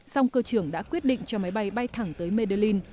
song cơ trưởng đã quyết định cho máy bay bay thẳng tới medulin